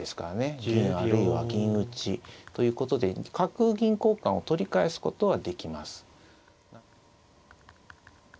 銀あるいは銀打ちということで角銀交換を取り返すことはできます。